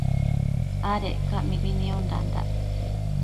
Adec ca mibi niondandac